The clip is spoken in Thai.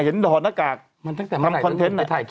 เห็นถอดหน้ากากทำคอนเทนต์